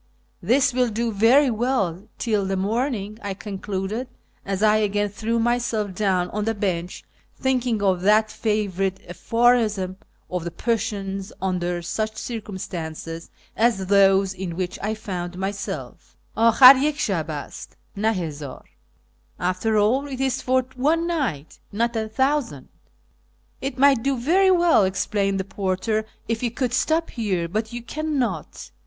"This will tlo very well till the morning," I concluded, as I again threw myself down on the bench, thinking nf that favourite ai)horism of the Persians under such circumstances as those in which I found myself, " Akkir yah shab ast, na hazdr "(" After all, it is for one night, not a thousand ")." It might do very well," explained the porter, " if you could stop here, but you cannot.